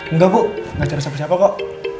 nggak bu nggak cari siapa siapa kok